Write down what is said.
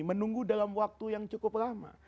menunggu dalam waktu yang cukup lama